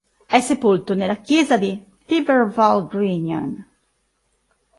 È sepolto nella chiesa di Thiverval-Grignon.